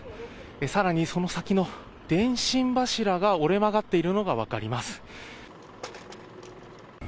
さらにその先の電信柱が折れ曲がっているのが分かります。